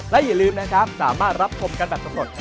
และอย่าลืมนะครับสามารถรับชมกันแบบสำรวจ